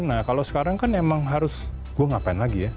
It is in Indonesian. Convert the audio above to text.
nah kalau sekarang kan emang harus gue ngapain lagi ya